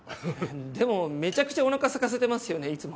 でもめちゃくちゃお腹空かせてますよねいつも。